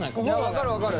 分かる分かる！